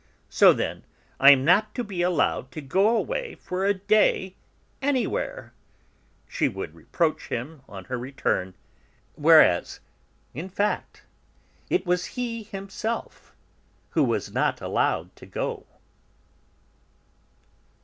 "So, then, I am not to be allowed to go away for a day anywhere!" she would reproach him on her return, whereas in fact it was he himself who was not allowed to go.